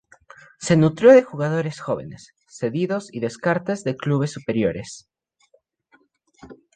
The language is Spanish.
Se nutrió de jugadores jóvenes, cedidos y descartes de clubes superiores.